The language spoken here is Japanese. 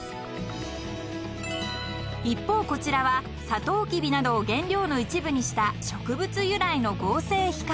［一方こちらはサトウキビなどを原料の一部にした植物由来の合成皮革］